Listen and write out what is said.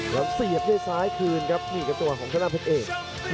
แล้วเสียบด้วยซ้ายคืนครับนี่กระตวนของชนะเพชรเอก